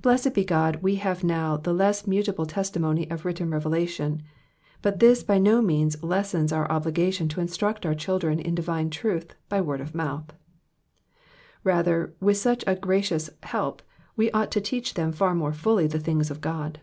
Blessed be God we have now the less mutable testimony of written revelation, but this by no means lessens our obligation to instruct our children in divine truth by word of mouth : rather, with such a gracious help, we ought to teach them far more fully the things of God.